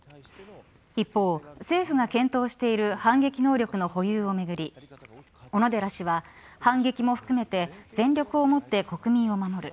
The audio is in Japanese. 一方、政府が検討している反撃能力の保有を巡り小野寺氏は反撃も含めて全力を持って国民を守る。